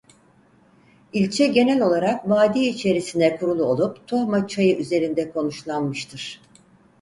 İlçe genel olarak vadi içerisine kurulu olup Tohma Çayı üzerinde konuşlanmıştır.